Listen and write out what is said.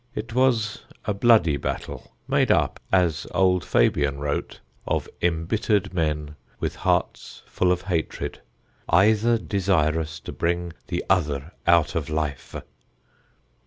It was a bloody battle, made up, as old Fabian wrote, of embittered men, with hearts full of hatred, "eyther desyrous to bring the other out of lyfe."